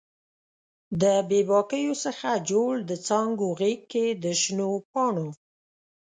د بې باکیو څخه جوړ د څانګو غیږ کې د شنو پاڼو